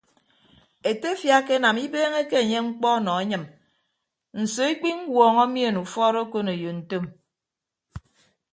Etefia akenam ibeeñeke enye mkpọ nọ anyịm nso ikpiñwuọñọ mien ufọọd okoneyo ntom.